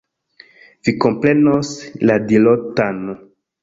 Vi komprenos la dirotan.